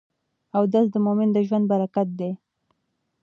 اودس د مؤمن د ژوند برکت دی.